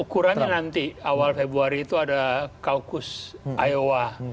ukurannya nanti awal februari itu ada kaukus iowa